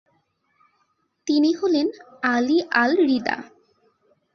তিনি হলেন আলি আল-রিদা।